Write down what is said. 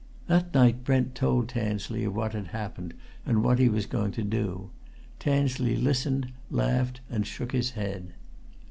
That night Brent told Tansley of what had happened and what he was going to do. Tansley listened, laughed, and shook his head.